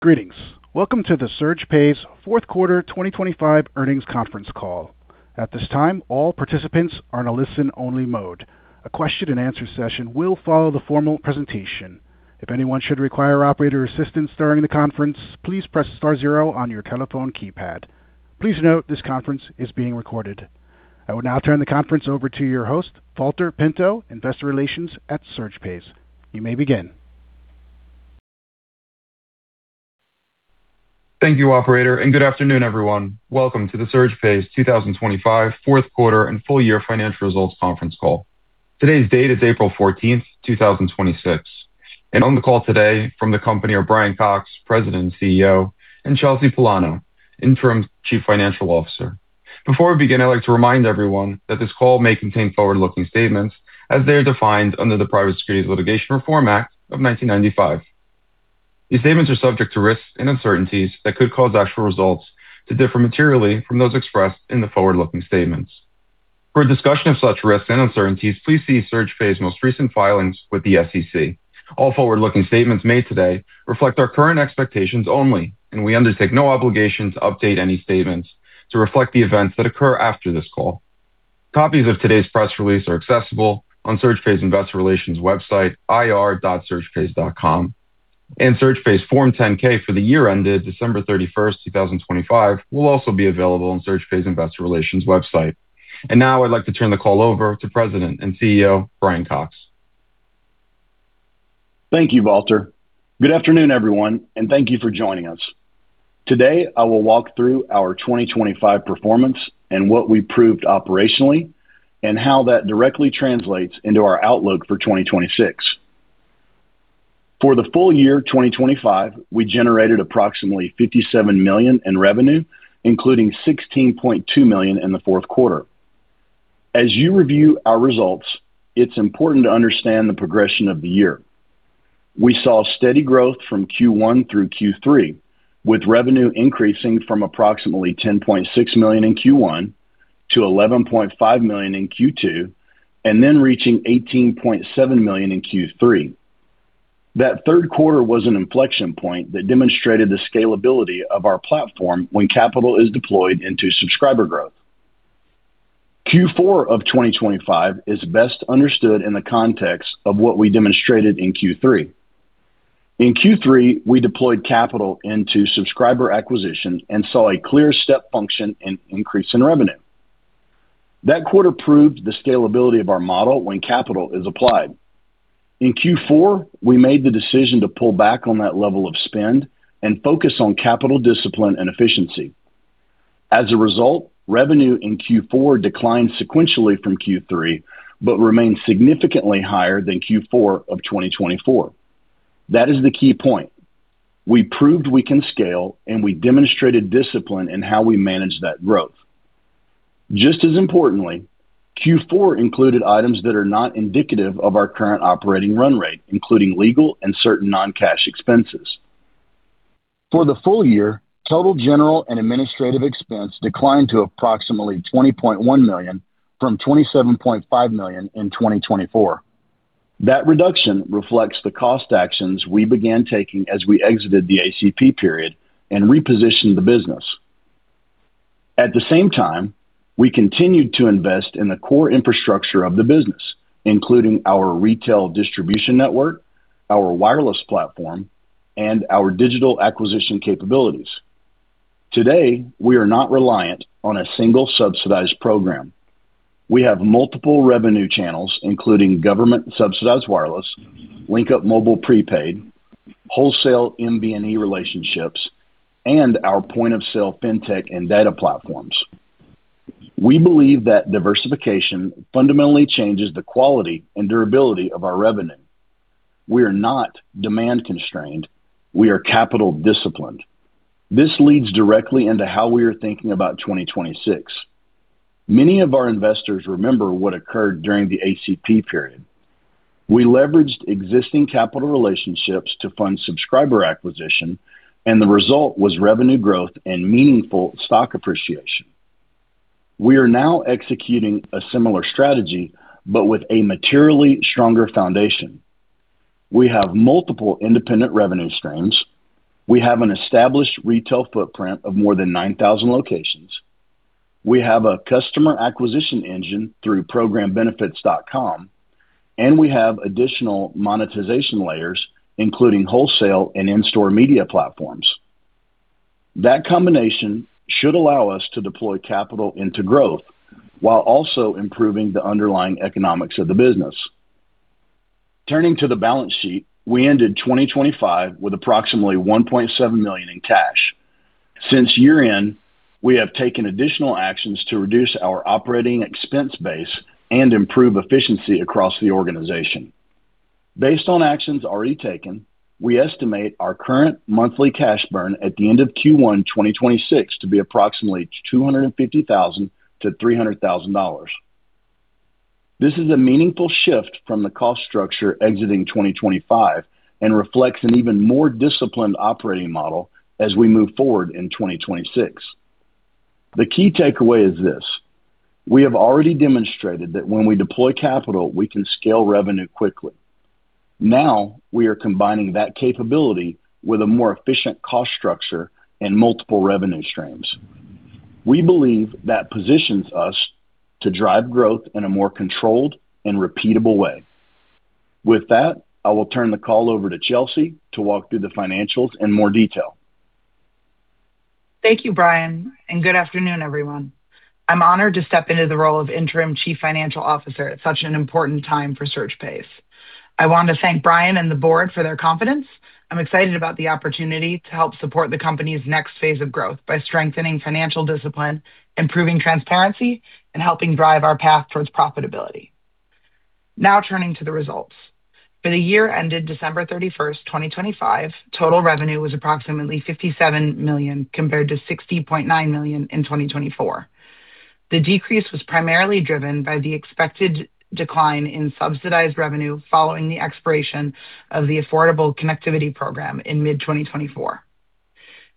Greetings. Welcome to the SurgePays Q4 2025 Earnings Conference Call. At this time, all participants are in a listen-only mode. A question and answer session will follow the formal presentation. If anyone should require operator assistance during the conference, please press star zero on your telephone keypad. Please note this conference is being recorded. I will now turn the conference over to your host, Valter Pinto, Investor Relations at SurgePays. You may begin. Thank you, operator, and good afternoon, everyone. Welcome to the SurgePays 2025 Q4 and full year financial results conference call. Today's date is April 14th, 2026, and on the call today from the company are Brian Cox, President and CEO, and Chelsea Pullano, Interim Chief Financial Officer. Before we begin, I'd like to remind everyone that this call may contain forward-looking statements as they are defined under the Private Securities Litigation Reform Act of 1995. These statements are subject to risks and uncertainties that could cause actual results to differ materially from those expressed in the forward-looking statements. For a discussion of such risks and uncertainties, please see SurgePays' most recent filings with the SEC. All forward-looking statements made today reflect our current expectations only, and we undertake no obligation to update any statements to reflect the events that occur after this call. Copies of today's press release are accessible on SurgePays Investor Relations website, ir.surgepays.com. SurgePays Form 10-K for the year ended December 31st, 2025, will also be available on SurgePays Investor Relations website. Now I'd like to turn the call over to President and CEO, Brian Cox. Thank you, Valter. Good afternoon, everyone, and thank you for joining us. Today, I will walk through our 2025 performance and what we proved operationally and how that directly translates into our outlook for 2026. For the full year 2025, we generated approximately $57 million in revenue, including $16.2 million in the Q4. As you review our results, it's important to understand the progression of the year. We saw steady growth from Q1 through Q3, with revenue increasing from approximately $10.6 million in Q1 to $11.5 million in Q2, and then reaching $18.7 million in Q3. That Q3 was an inflection point that demonstrated the scalability of our platform when capital is deployed into subscriber growth. Q4 of 2025 is best understood in the context of what we demonstrated in Q3. In Q3, we deployed capital into subscriber acquisition and saw a clear step function and increase in revenue. That quarter proved the scalability of our model when capital is applied. In Q4, we made the decision to pull back on that level of spend and focus on capital discipline and efficiency. As a result, revenue in Q4 declined sequentially from Q3, but remained significantly higher than Q4 of 2024. That is the key point. We proved we can scale, and we demonstrated discipline in how we manage that growth. Just as importantly, Q4 included items that are not indicative of our current operating run rate, including legal and certain non-cash expenses. For the full year, total General and Administrative expense declined to approximately $20.1 million from 27.5 million in 2024. That reduction reflects the cost actions we began taking as we exited the ACP period and repositioned the business. At the same time, we continued to invest in the core infrastructure of the business, including our retail distribution network, our wireless platform, and our digital acquisition capabilities. Today, we are not reliant on a single subsidized program. We have multiple revenue channels, including government subsidized wireless, LinkUp Mobile prepaid, wholesale MVNE relationships, and our point-of-sale fintech and data platforms. We believe that diversification fundamentally changes the quality and durability of our revenue. We are not demand constrained. We are capital disciplined. This leads directly into how we are thinking about 2026. Many of our investors remember what occurred during the ACP period. We leveraged existing capital relationships to fund subscriber acquisition, and the result was revenue growth and meaningful stock appreciation. We are now executing a similar strategy, but with a materially stronger foundation. We have multiple independent revenue streams, we have an established retail footprint of more than 9,000 locations, we have a customer acquisition engine through programbenefits.com, and we have additional monetization layers, including wholesale and in-store media platforms. That combination should allow us to deploy capital into growth while also improving the underlying economics of the business. Turning to the balance sheet, we ended 2025 with approximately $1.7 million in cash. Since year-end, we have taken additional actions to reduce our operating expense base and improve efficiency across the organization. Based on actions already taken, we estimate our current monthly cash burn at the end of Q1 2026 to be approximately $250,000-300,000. This is a meaningful shift from the cost structure exiting 2025 and reflects an even more disciplined operating model as we move forward in 2026. The key takeaway is this. We have already demonstrated that when we deploy capital, we can scale revenue quickly. Now, we are combining that capability with a more efficient cost structure and multiple revenue streams. We believe that positions us to drive growth in a more controlled and repeatable way. With that, I will turn the call over to Chelsea to walk through the financials in more detail. Thank you, Brian, and good afternoon, everyone. I'm honored to step into the role of interim chief financial officer at such an important time for SurgePays. I want to thank Brian and the board for their confidence. I'm excited about the opportunity to help support the company's next phase of growth by strengthening financial discipline, improving transparency, and helping drive our path towards profitability. Now turning to the results. For the year ended December 31st, 2025, total revenue was approximately $57 million, compared to $60.9 million in 2024. The decrease was primarily driven by the expected decline in subsidized revenue following the expiration of the Affordable Connectivity Program in mid-2024.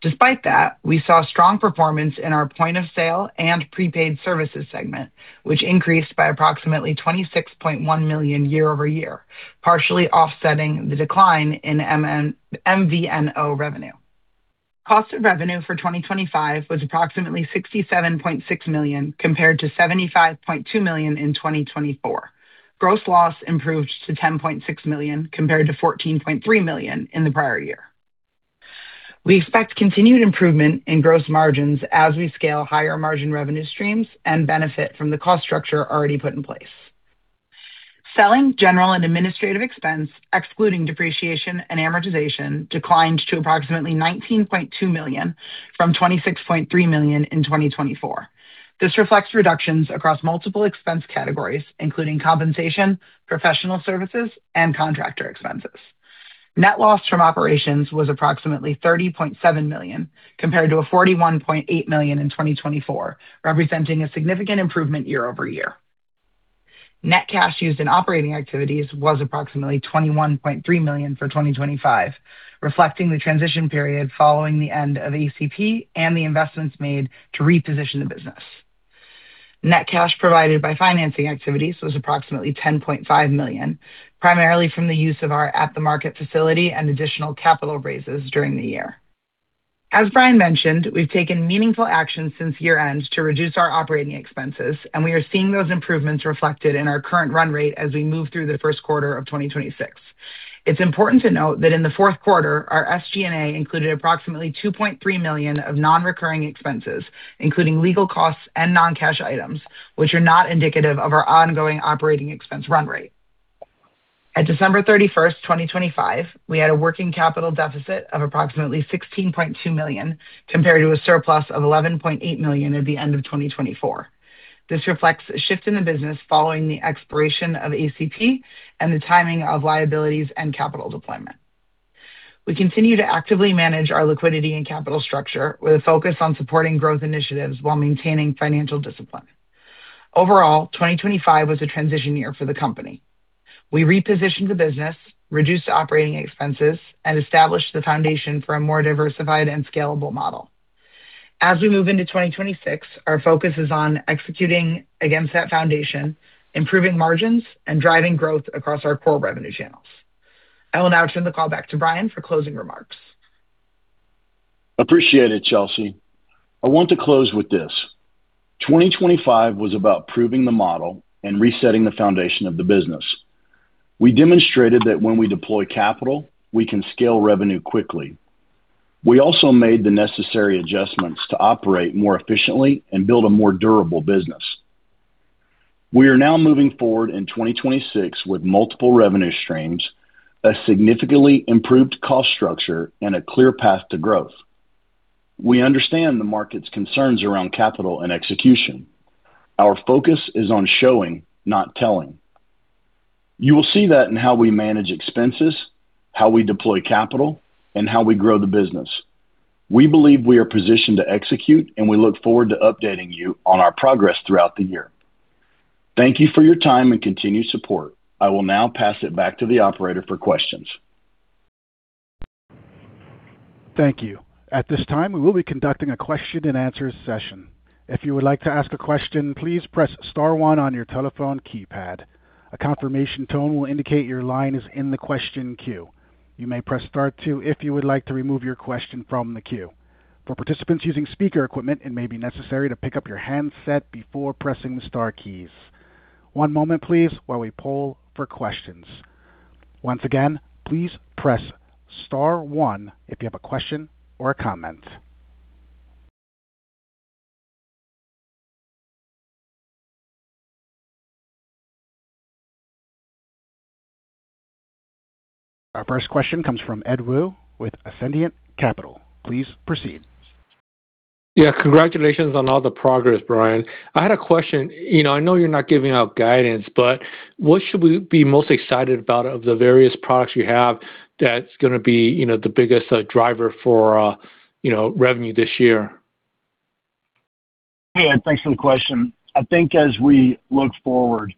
Despite that, we saw strong performance in our point-of-sale and prepaid services segment, which increased by approximately $26.1 million quarter-over-quarter, partially offsetting the decline in MVNO revenue. Cost of revenue for 2025 was approximately $67.6 million, compared to $75.2 million in 2024. Gross loss improved to $10.6 million, compared to $14.3 million in the prior year. We expect continued improvement in gross margins as we scale higher-margin revenue streams and benefit from the cost structure already put in place. Selling, general, and administrative expense, excluding depreciation and amortization, declined to approximately $19.2 million from 26.3 million in 2024. This reflects reductions across multiple expense categories, including compensation, professional services, and contractor expenses. Net loss from operations was approximately $30.7 million, compared to a $41.8 million in 2024, representing a significant improvement quarter-over-quarter. Net cash used in operating activities was approximately $21.3 million for 2025, reflecting the transition period following the end of ACP and the investments made to reposition the business. Net cash provided by financing activities was approximately $10.5 million, primarily from the use of our at-the-market facility and additional capital raises during the year. As Brian mentioned, we've taken meaningful action since year-end to reduce our operating expenses, and we are seeing those improvements reflected in our current run rate as we move through the Q1 of 2026. It's important to note that in the Q4, our SG&A included approximately $2.3 million of non-recurring expenses, including legal costs and non-cash items, which are not indicative of our ongoing operating expense run rate. At December 31st, 2025, we had a working capital deficit of approximately $16.2 million, compared to a surplus of $11.8 million at the end of 2024. This reflects a shift in the business following the expiration of ACP and the timing of liabilities and capital deployment. We continue to actively manage our liquidity and capital structure with a focus on supporting growth initiatives while maintaining financial discipline. Overall, 2025 was a transition year for the company. We repositioned the business, reduced operating expenses, and established the foundation for a more diversified and scalable model. As we move into 2026, our focus is on executing against that foundation, improving margins, and driving growth across our core revenue channels. I will now turn the call back to Brian for closing remarks. Appreciate it, Chelsea. I want to close with this. 2025 was about proving the model and resetting the foundation of the business. We demonstrated that when we deploy capital, we can scale revenue quickly. We also made the necessary adjustments to operate more efficiently and build a more durable business. We are now moving forward in 2026 with multiple revenue streams, a significantly improved cost structure, and a clear path to growth. We understand the market's concerns around capital and execution. Our focus is on showing, not telling. You will see that in how we manage expenses, how we deploy capital, and how we grow the business. We believe we are positioned to execute, and we look forward to updating you on our progress throughout the year. Thank you for your time and continued support. I will now pass it back to the operator for questions. Thank you. At this time, we will be conducting a question and answer session. If you would like to ask a question, please press star one on your telephone keypad. A confirmation tone will indicate your line is in the question queue. You may press star two if you would like to remove your question from the queue. For participants using speaker equipment, it may be necessary to pick up your handset before pressing the star keys. One moment, please, while we poll for questions. Once again, please press star one if you have a question or a comment. Our first question comes from Edward Woo with Ascendiant Capital. Please proceed. Yeah. Congratulations on all the progress, Brian. I had a question. I know you're not giving out guidance, but what should we be most excited about of the various products you have that's going to be the biggest driver for revenue this year? Hey, Ed. Thanks for the question. I think as we look forward,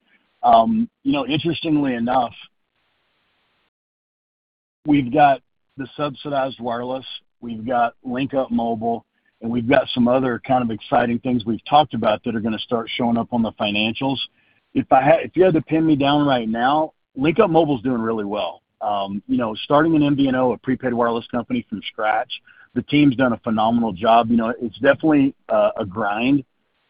interestingly enough, we've got the subsidized wireless, we've got LinkUp Mobile, and we've got some other kind of exciting things we've talked about that are going to start showing up on the financials. If you had to pin me down right now, LinkUp Mobile's doing really well. Starting an MVNO, a prepaid wireless company, from scratch, the team's done a phenomenal job. It's definitely a grind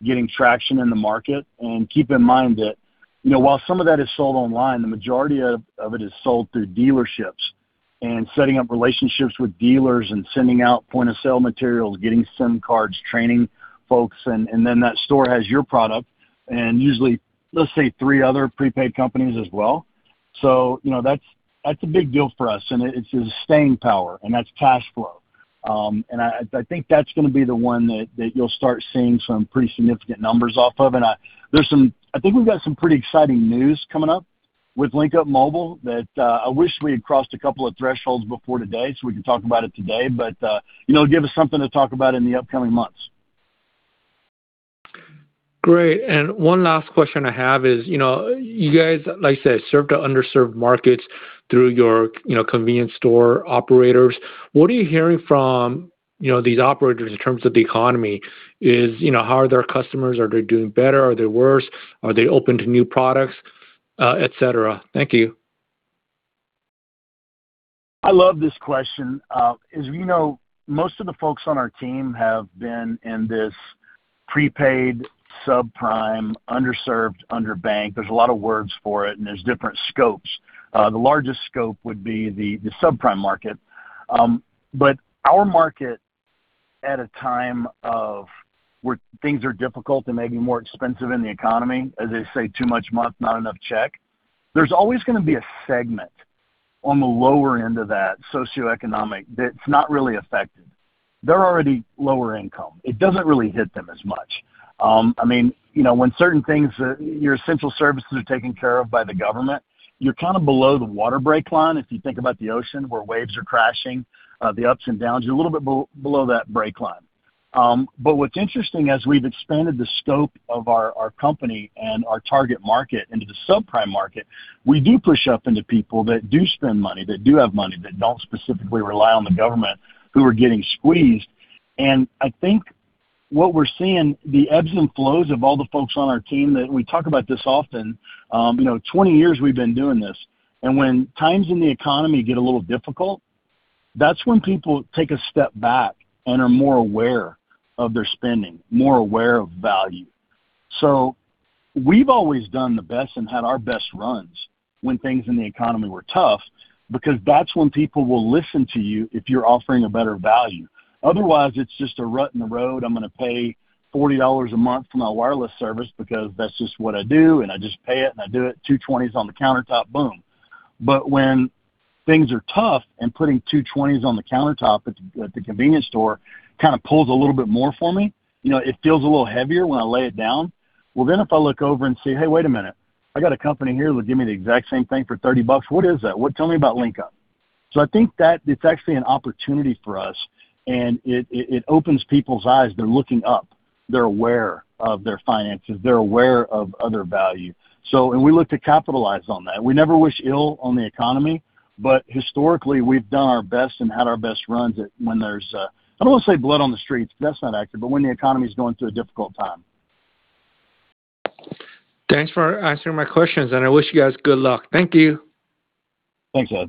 getting traction in the market. Keep in mind that while some of that is sold online, the majority of it is sold through dealerships, setting up relationships with dealers and sending out point-of-sale materials, getting SIM cards, training folks, and then that store has your product and usually, let's say, three other prepaid companies as well. That's a big deal for us, and it's a staying power, and that's cash flow. I think that's going to be the one that you'll start seeing some pretty significant numbers off of. I think we've got some pretty exciting news coming up with LinkUp Mobile that I wish we had crossed a couple of thresholds before today so we could talk about it today. It'll give us something to talk about in the upcoming months. Great. One last question I have is, you guys, like I said, serve the underserved markets through your convenience store operators. What are you hearing from these operators in terms of the economy? How are their customers? Are they doing better? Are they worse? Are they open to new products, et cetera? Thank you. I love this question. As you know, most of the folks on our team have been in this prepaid, subprime, underserved, underbanked. There's a lot of words for it, and there's different scopes. The largest scope would be the subprime market. Our market, at a time of where things are difficult and maybe more expensive in the economy, as they say, too much month, not enough check, there's always going to be a segment on the lower end of that socioeconomic that's not really affected. They're already lower income. It doesn't really hit them as much. When certain things, your essential services are taken care of by the government, you're kind of below the water break line, if you think about the ocean, where waves are crashing, the ups and downs. You're a little bit below that break line. What's interesting, as we've expanded the scope of our company and our target market into the subprime market, we do push up into people that do spend money, that do have money, that don't specifically rely on the government, who are getting squeezed. I think what we're seeing, the ebbs and flows of all the folks on our team. We talk about this often. 20 years we've been doing this. When times in the economy get a little difficult, that's when people take a step back and are more aware of their spending, more aware of value. We've always done the best and had our best runs when things in the economy were tough, because that's when people will listen to you if you're offering a better value. Otherwise, it's just a rut in the road. I'm going to pay $40 a month for my wireless service because that's just what I do, and I just pay it, and I do it, two 20s on the countertop, boom. But when things are tough and putting two 20s on the countertop at the convenience store kind of pulls a little bit more for me, it feels a little heavier when I lay it down. Well, then if I look over and say, "Hey, wait a minute. I got a company here that'll give me the exact same thing for 30 bucks. What is that? Tell me about Linkup." So I think that it's actually an opportunity for us, and it opens people's eyes. They're looking up. They're aware of their finances. They're aware of other value. And we look to capitalize on that. We never wish ill on the economy, but historically, we've done our best and had our best runs when there's, I don't want to say blood on the streets, that's not accurate, but when the economy's going through a difficult time. Thanks for answering my questions, and I wish you guys good luck. Thank you. Thanks, Ed.